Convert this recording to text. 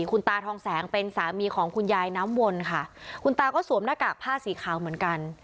คุณตาทองแสงเป็นสามีของคุณยายน้ำวนค่ะคุณตาก็สวมหน้ากากผ้าสีขาวเหมือนกัน